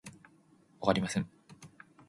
你鍾唔鍾意睇書？